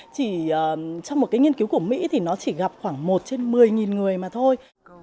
chỉ trong một cái nghiên cứu của mỹ thì nó chỉ gặp khoảng một trên một mươi người mà thôi